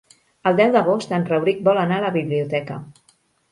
El deu d'agost en Rauric vol anar a la biblioteca.